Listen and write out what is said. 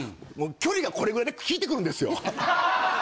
距離がこれぐらいで聞いてくるんですよ。